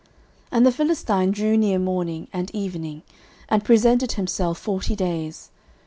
09:017:016 And the Philistine drew near morning and evening, and presented himself forty days.